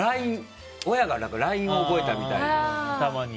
親がＬＩＮＥを覚えたみたいで。